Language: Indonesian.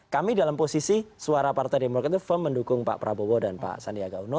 kami dalam posisi suara partai demokrat itu firm mendukung pak prabowo dan pak sandiaga uno